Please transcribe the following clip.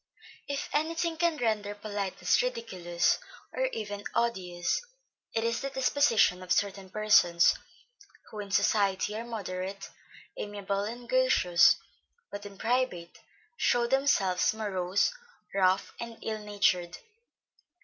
_ If any thing can render politeness ridiculous, and even odious, it is the disposition of certain persons, who in society are moderate, amiable, and gracious, but in private show themselves morose, rough and ill natured.